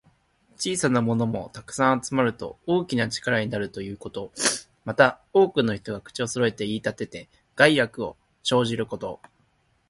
小さなものも、たくさん集まると大きな力になるということ。また、多くの人が口をそろえて言いたてて、害悪を生じること。